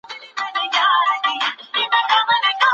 موږ بايد له نړۍ سره اړيکه ولرو.